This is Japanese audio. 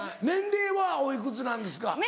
年齢はおいくつなんですか？